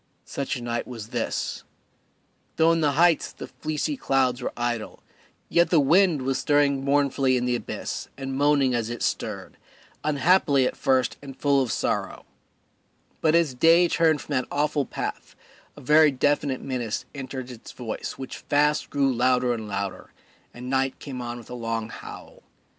Such a night was this. Though in the heights the fleecy clouds were idle, yet the wind was stirring mournfully in the abyss and moaning as it stirred, unhappily at first and full of sorrow; but as day turned away from that awful path a very definite menace entered its voice which fast grew louder and louder, and night came on with a long howl.